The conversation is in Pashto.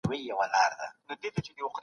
نور هیوادونه څنګه تقلید کیږي؟